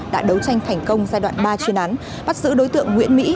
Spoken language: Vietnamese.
đã đấu tranh thành công giai đoạn ba chuyên án bắt giữ đối tượng nguyễn mỹ